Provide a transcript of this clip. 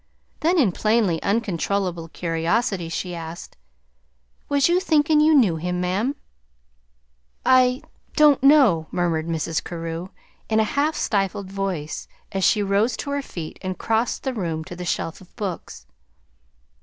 Then, in plainly uncontrollable curiosity, she asked: "Was you thinkin' you knew him, ma'am?" "I don't know," murmured Mrs. Carew, in a half stifled voice, as she rose to her feet and crossed the room to the shelf of books.